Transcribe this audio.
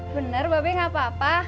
bener ba be gak apa apa